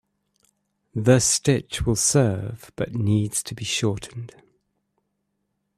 The stitch will serve but needs to be shortened.